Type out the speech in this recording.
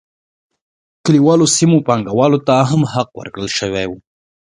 کلیوالو سیمو پانګوالو ته هم حق ورکړل شو.